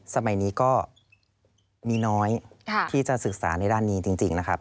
สมัยนี้ก็มีน้อยที่จะศึกษาในด้านนี้จริงนะครับ